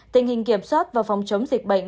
tình hình kiểm soát và phòng chống dịch bệnh